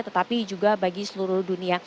tetapi juga bagi seluruh dunia